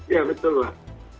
ya betul lah